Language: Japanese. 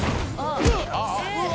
うわ！